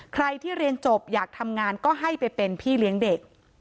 ใครที่เรียนจบอยากทำงานก็ให้ไปเป็นพี่เลี้ยงเด็ก